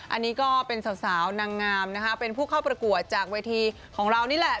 อันนี้ก็เป็นสาวนางงามนะคะเป็นผู้เข้าประกวดจากเวทีของเรานี่แหละ